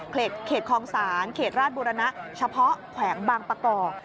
เขตคลองศาลเขตราชบุรณะเฉพาะแขวงบางประกอบ